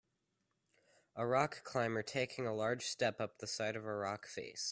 A rock climber taking a large step up the side of a rock face.